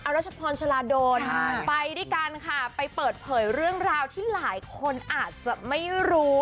รัชพรชาลาโดนไปด้วยกันค่ะไปเปิดเผยเรื่องราวที่หลายคนอาจจะไม่รู้